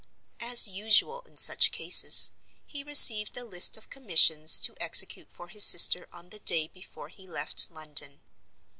As usual in such cases, he received a list of commissions to execute for his sister on the day before he left London.